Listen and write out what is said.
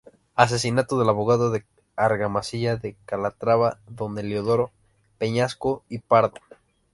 Asesinato del abogado de Argamasilla de Calatrava Don Heliodoro Peñasco y Pardo".